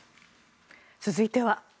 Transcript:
続いては。